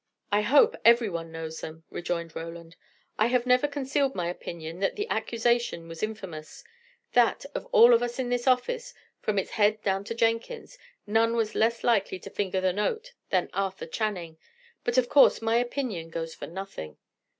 "I hope every one knows them," rejoined Roland. "I have never concealed my opinion that the accusation was infamous; that, of all of us in this office, from its head down to Jenkins, none was less likely to finger the note than Arthur Channing. But of course my opinion goes for nothing."